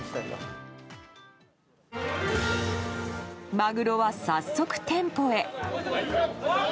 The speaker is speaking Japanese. マグロは、早速店舗へ。